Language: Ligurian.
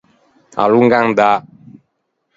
À long’andâ.